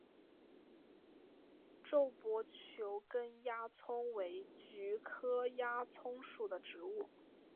皱波球根鸦葱为菊科鸦葱属的植物。